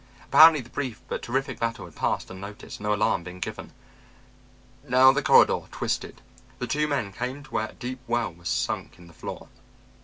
Apparently the brief but terrific battle had passed unnoticed, no alarm being given. Now the corridor twisted. The two men came to where a deep well was sunk in the floor.